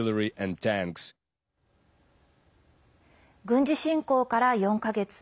軍事侵攻から４か月。